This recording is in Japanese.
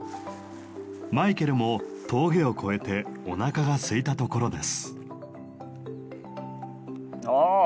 マイケルも峠を越えておなかがすいたところです。